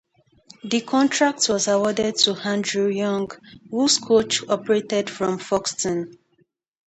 The contract was awarded to Andrew Young, whose coach operated from Foxton.